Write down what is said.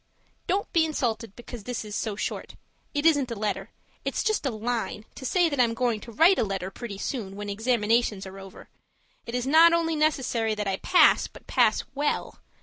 Don't be insulted because this is so short. It isn't a letter; it's just a LINE to say that I'm going to write a letter pretty soon when examinations are over. It is not only necessary that I pass, but pass WELL.